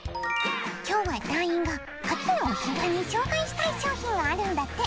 今日は団員が秋のお彼岸に紹介したい商品があるんだって。